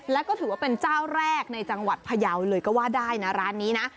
แล้วก็ถือว่าเป็นเจ้าแรกในจังหวัดพยาวเลยก็ว่าได้นะร้านนี้นะ